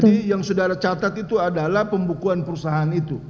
tapi yang saudara catat itu adalah pembukuan perusahaan itu